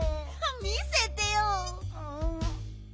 見せてよ。